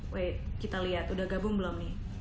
we kita lihat udah gabung belum nih